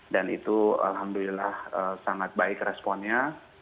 dan itu alhamdulillah sangat baik responnya